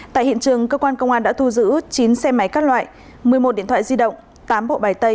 tại hiện trường cơ quan công an đã thu giữ chín xe máy các loại một mươi một điện thoại di động tám bộ bài tay